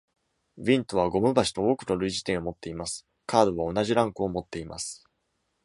ヴィントはゴム橋と多くの類似点を持っています：カードは同じランクを持っています。